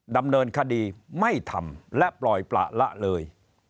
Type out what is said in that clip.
ดำเนินคดีไม่ทำและปล่อยประละเลย